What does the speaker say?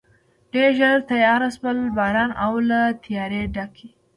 ډېر ژر تېاره شول، باران او له تیارې ډکې.